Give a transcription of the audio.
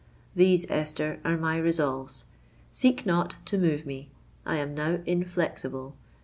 These, Esther, are my resolves: seek not to move me.—I am now inflexible!